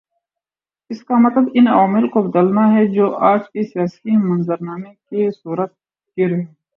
اس کا مطلب ان عوامل کو بدلنا ہے جو آج کے سیاسی منظرنامے کے صورت گر ہیں۔